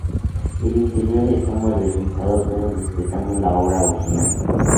El interior está modernizado pero respetando la obra original.